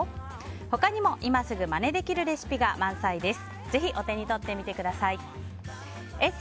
他にも今すぐまねできるレシピが満載です。